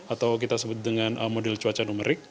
atau kita sebut dengan model cuaca numerik